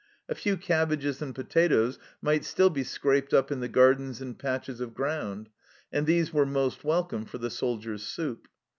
A few cab bages and potatoes might still be scraped up in the gardens and patches of ground, and these were most welcome for the soldiers' soup.